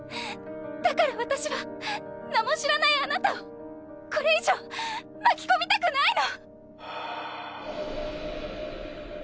だから私は名も知らないあなたをこれ以上巻き込みたくないの！